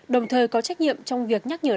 đồng thời có trách nhiệm trong việc nhắc nhở